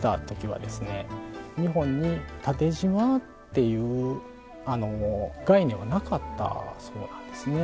日本に縦じまっていう概念はなかったそうなんですね。